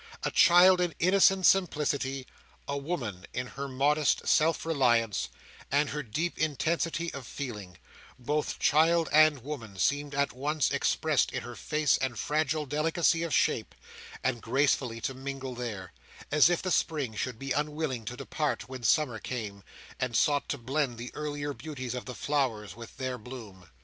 A child in innocent simplicity; a woman in her modest self reliance, and her deep intensity of feeling; both child and woman seemed at once expressed in her face and fragile delicacy of shape, and gracefully to mingle there;—as if the spring should be unwilling to depart when summer came, and sought to blend the earlier beauties of the flowers with their bloom.